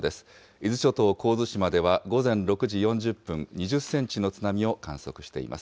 伊豆諸島神津島では午前６時４０分、２０センチの津波を観測しています。